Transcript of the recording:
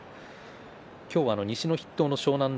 今日は西の筆頭の湘南乃